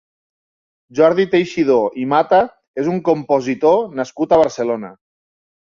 Jordi Texidó i Mata és un compositor nascut a Barcelona.